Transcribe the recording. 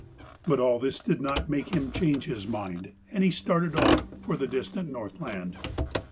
But all this did not make him change his mind, and he started off for the distant Northland.